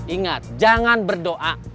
ingat jangan berdoa